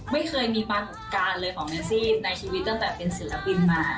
ไม่เคยมีมากกับการเลยของแม็ซี่ในชีวิตจนแต่เป็นศิลปินมา